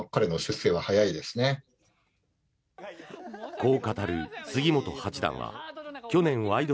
こう語る杉本八段は去年「ワイド！